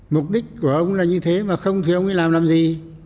mục đích của ông là như thế mà không thì ông ấy làm làm gì